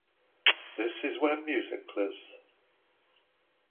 This is where music lives.